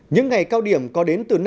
những ngày cao điểm có đến từ